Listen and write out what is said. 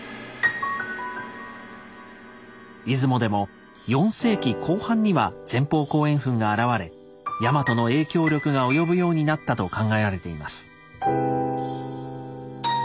出雲でも４世紀後半には前方後円墳が現れヤマトの影響力が及ぶようになったと考えられています。